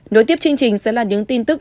nối tiếp chương trình sẽ là những tin tức